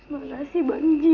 makasih bang gia